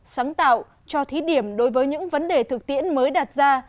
sáng tạo cho thí điểm đối với những vấn đề thực tiễn mới đặt ra